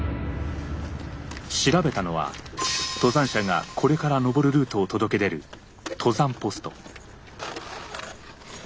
調べたのは登山者がこれから登るルートを届け出る登山ポスト。